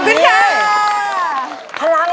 ตกแต้นชนกะโน้งค่ะ